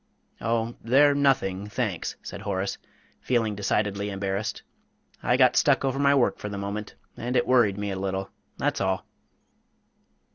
"Oh, they're nothing, thanks," said Horace, feeling decidedly embarrassed. "I got stuck over my work for the moment, and it worried me a little that's all."